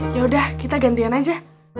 ya udah kita gantian aja